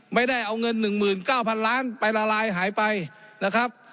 ไม่ได้เอาเงิน๑๙๐๐ล้านไปละลายหายไปนะครับ